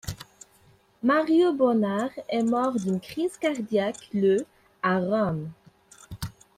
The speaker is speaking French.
Mario Bonnard est mort d'une crise cardiaque le à Rome.